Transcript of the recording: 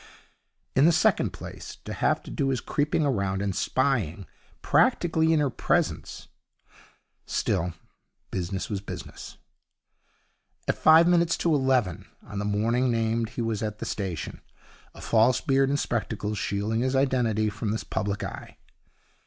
In the second place, to have to do his creeping about and spying practically in her presence Still, business was business. At five minutes to eleven on the morning named he was at the station, a false beard and spectacles shielding his identity from the public eye.